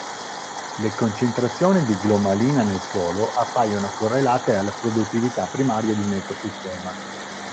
Le concentrazioni di glomalina nel suolo appaiono correlate alla produttività primaria di un ecosistema.